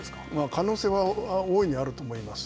可能性は大いにあると思います。